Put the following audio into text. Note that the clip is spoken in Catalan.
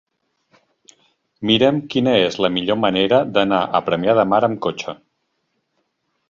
Mira'm quina és la millor manera d'anar a Premià de Mar amb cotxe.